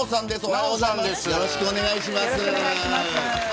よろしくお願いします。